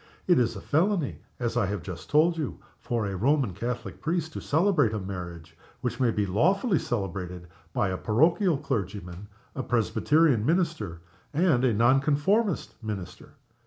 "It is felony, as I have just told you, for a Roman Catholic priest to celebrate a marriage which may be lawfully celebrated by a parochial clergyman, a Presbyterian mini ster, and a Non conformist minister.